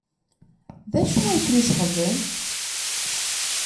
D acu ay ken-iceɣben?